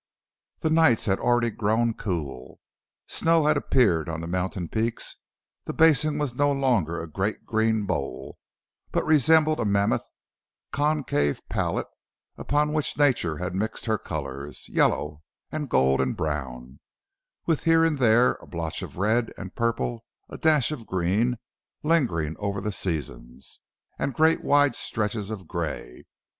The nights had already grown cool; snow had appeared on the mountain peaks; the basin was no longer a great green bowl, but resembled a mammoth, concave palette upon which nature had mixed her colors yellow and gold and brown, with here and there a blotch of red and purple, a dash of green, lingering over the season and great, wide stretches of gray.